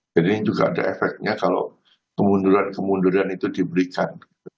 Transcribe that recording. jadi ini juga ada efeknya kalau kemunduran kemunduran itu diberikan